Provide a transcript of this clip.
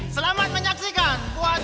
selamat menyaksikan buat